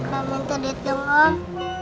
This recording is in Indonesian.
bu minta duit dong om